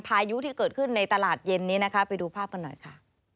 พายุที่เกิดขึ้นในตลาดเย็นนี้นะคะไปดูภาพกันหน่อยค่ะ